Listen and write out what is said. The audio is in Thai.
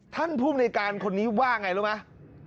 ท่านผู้บริการคนนี้ว่าอย่างไรรู้ไหม